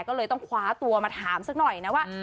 ก็เลยต้องคว้าตัวมาถามสักหน่อยนะว่า